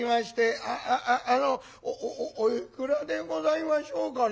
「ああああのおおおおいくらでございましょうかな？」。